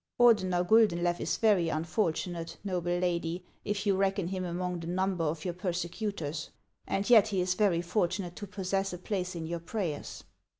" Ordener Guldenlew is very unfortunate, noble lady, if you reckon him among the number of your persecutors ; and yet he is very fortunate to possess a place in your prayers."